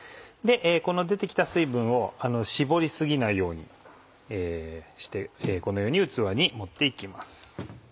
この出て来た水分を絞り過ぎないようにしてこのように器に盛って行きます。